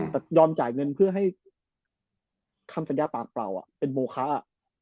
แต่ยอมจ่ายเงินเพื่อให้คำสัญญาปากเปล่าเป็นโมคะ